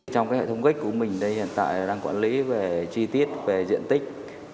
trong hệ thống gác của mình hiện tại đang quản lý về chi tiết về diện tích